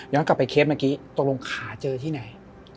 ย้อนกลับไปเคฟเมื่อกี้ตรงค่าเจอที่ไหน